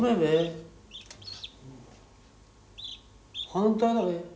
反対だべ？